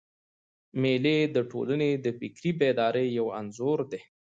مېلې د ټولني د فکري بیدارۍ یو انځور دئ.